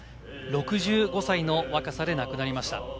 ６５歳の若さで亡くなりました。